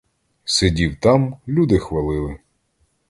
Сидів там, люди хвалили.